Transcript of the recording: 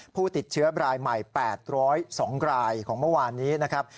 ผู้ติดเชื้อรายใหม่๘๐๒รายของเมื่อวานนี้นะครับ